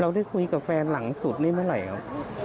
เราได้คุยกับแฟนหลังสุดนี่เมื่อไหร่